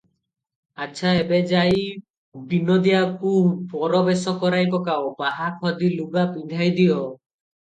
"ଆଚ୍ଛା, ଏବେ ଯାଇ ବିନୋଦିଆକୁ ବରବେଶ କରାଇ ପକାଅ, ବାହା ଖଦି ଲୁଗା ପିନ୍ଧାଇ ଦିଅ ।"